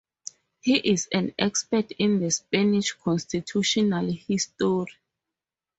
He is an expert in the Spanish constitutional history.